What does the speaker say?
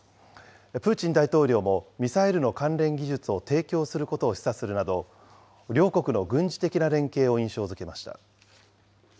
プーチン大統領もミサイルの関連技術を提供することを示唆するなど、両国の軍事的な連携を印象づけました。